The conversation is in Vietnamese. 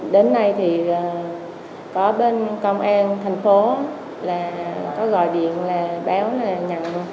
đến nay thì có bên công an thành phố là có gọi điện là báo là nhận